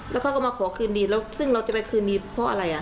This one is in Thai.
แล้วเขาก็มาขอคืนดีแล้วซึ่งเราจะไปคืนดีเพราะอะไรอ่ะ